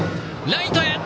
ライトへ！